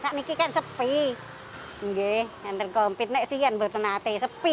kami kan sepi dan di kampung lainnya juga sepi